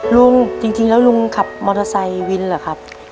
ลุงจริงแล้วลุงขับมอเตอร์ไซค์วินเหรอครับ